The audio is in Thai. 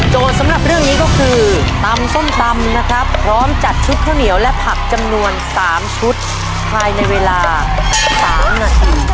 สำหรับเรื่องนี้ก็คือตำส้มตำนะครับพร้อมจัดชุดข้าวเหนียวและผักจำนวน๓ชุดภายในเวลา๓นาที